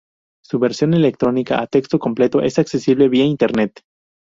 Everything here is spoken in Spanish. Su versión electrónica a texto completo es accesible vía internet.